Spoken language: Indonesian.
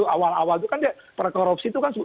awal awal itu kan dia perkorupsi itu kan